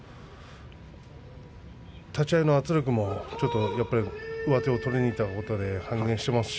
立ち合いの圧力も上手を取りにいったことで半減していますし。